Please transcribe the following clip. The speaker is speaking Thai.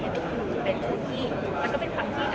ไม่ได้สบายไม่ได้สบาย